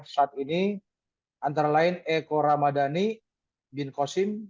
saat ini antara lain eko ramadhani bin kosim